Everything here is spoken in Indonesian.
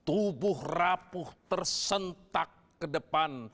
tubuh rapuh tersentak ke depan